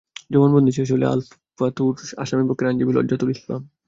জবানবন্দি শেষ হলে আলতাফুর রহমানকে জেরা শুরু করেন আসামিপক্ষের আইনজীবী হুজ্জাতুল ইসলাম।